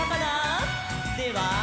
では。